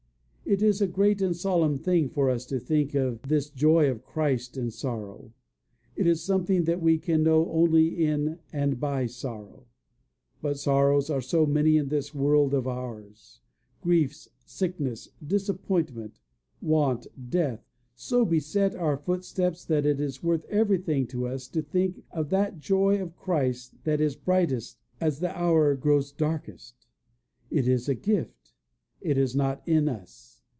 It is a great and solemn thing for us to think of this joy of Christ in sorrow. It is something that we can know only in and by sorrow. But sorrows are so many in this world of ours! Griefs, sickness, disappointment, want, death, so beset our footsteps that it is worth everything to us to think of that joy of Christ that is brightest as the hour grows darkest. It is a gift. It is not in us.